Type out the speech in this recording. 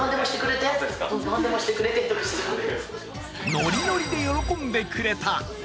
ノリノリで喜んでくれた。